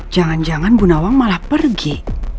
jangan jangan bu nawang malah pergi